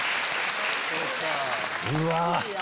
うわ！